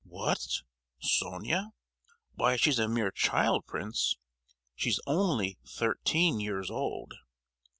"What, Sonia? Why she's a mere child, prince? She's only thirteen years old."